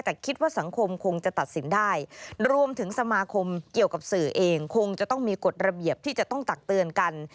แต่คิดว่าสังคมคงจะตัดสินได้รวมถึงสมาคมเกี่ยวกับสื่อเองคงจะต้องมีกฎระเบียบที่จะต้องตักเตือนกัน